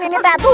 ini tidak aduh